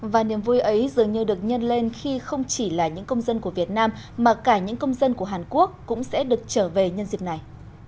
và niềm vui ấy dường như được nhân lên khi không chỉ là những công dân của việt nam mà cả những công dân của hàn quốc cũng sẽ được trở về nhân dịp này